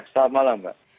selamat malam mbak